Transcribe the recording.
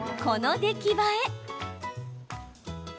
この出来栄え。